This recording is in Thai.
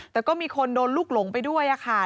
แต่ก็มีคนโดนลูกหลงไปด้วยค่ะ